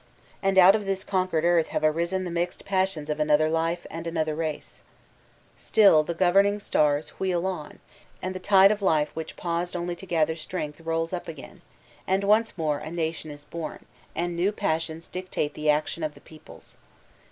And out of this conquered earth have arisen the mixed passions of another life and another race. Stin the governing stars wheel on, and the tide of life which paused only to gather strength rolls up again; 384 VOLTAISINE DB CUCYSB and once more a nation is born, and new passions dictate the action of tiie peoples.